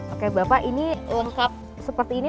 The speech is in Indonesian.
oke bapak ini lengkap seperti ini